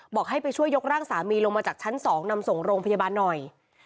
บอกให้ไปช่วยยกร่างสามีลงมาจากชั้น๒นำส่งโรงพยาบาลหน่อย